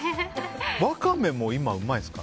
ワカメも、今うまいですか？